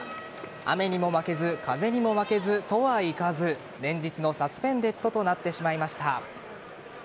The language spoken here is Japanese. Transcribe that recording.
雨にも負けず風にも負けずとはいかず連日のサスペンデッドとなってしまいました。